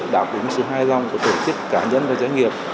đáp ứng sự hài lòng của tổ chức cá nhân và doanh nghiệp